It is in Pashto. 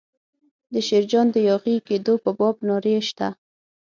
د شیرجان د یاغي کېدو په باب نارې شته.